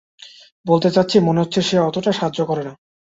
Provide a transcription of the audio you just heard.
বলতে চাচ্ছি, মনে হচ্ছে সে অতোটা সাহায্য করে না।